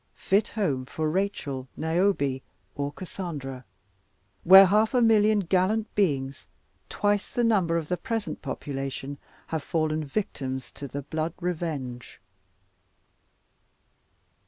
Fit home for Rachel, Niobe, or Cassandra, where half a million gallant beings, twice the number of the present population, have fallen victims to the blood revenge.